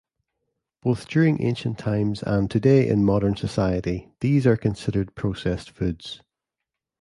Both during ancient times and today in modern society these are considered processed foods.